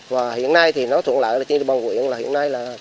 và hiện nay thì nó thuộc vào tình hình của người dân